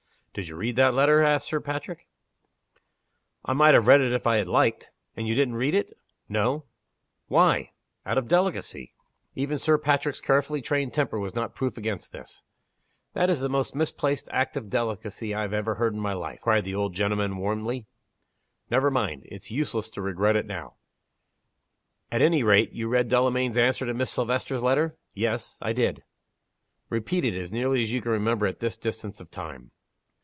"Did you read that letter?" asked Sir Patrick. "I might have read it if I had liked." "And you didn't read it?" "No." "Why?" "Out of delicacy." Even Sir Patrick's carefully trained temper was not proof against this. "That is the most misplaced act of delicacy I ever heard of in my life!" cried the old gentleman, warmly. "Never mind! it's useless to regret it now. At any rate, you read Delamayn's answer to Miss Silvester's letter?" "Yes I did." "Repeat it as nearly as you can remember at this distance of time."